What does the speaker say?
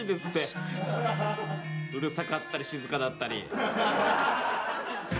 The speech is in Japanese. うるさかったり静かだったり。